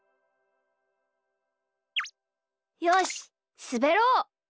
よしすべろう！